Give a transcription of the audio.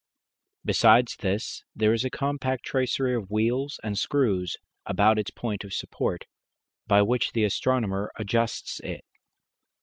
Besides this, there is a compact tracery of wheels and screws about its point of support, by which the astronomer adjusts it.